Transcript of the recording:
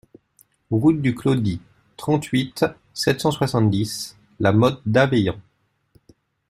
Route du Clodit, trente-huit, sept cent soixante-dix La Motte-d'Aveillans